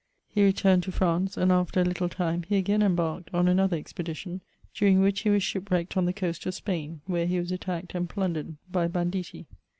He returned to France, and after a little time he again em barked on another expedition, during which he was ship wrecked on the coast of Spain, where he was attacked and plundered by banditti.